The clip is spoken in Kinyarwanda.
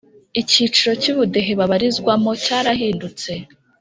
icyiciro cyubudehe babarizwamo cyarahindutse